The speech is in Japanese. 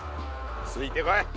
ついてこい。